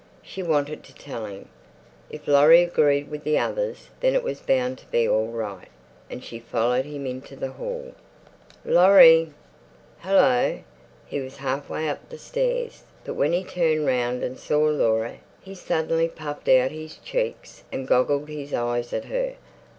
She wanted to tell him. If Laurie agreed with the others, then it was bound to be all right. And she followed him into the hall. "Laurie!" "Hallo!" He was half way upstairs, but when he turned round and saw Laura he suddenly puffed out his cheeks and goggled his eyes at her.